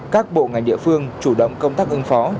các bộ ngành địa phương chủ động công tác ứng phó